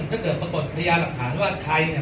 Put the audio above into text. ถึงแถวสองทำงานสอง